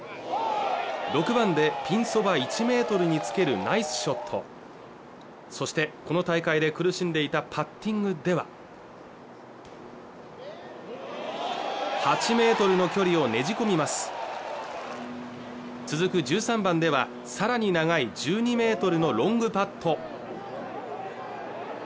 ６番でピンそば１ｍにつけるナイスショットそしてこの大会で苦しんでいたパッティングでは８ｍの距離をねじ込みます続く１３番ではさらに長い１２ｍのロングパット